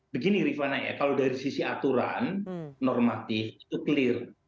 begini rifana ya kalau dari sisi aturan normatif itu clear